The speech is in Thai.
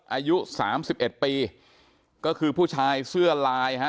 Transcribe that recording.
อายุสามสิบเอ็ดปีก็คือผู้ชายเสื้อลายฮะ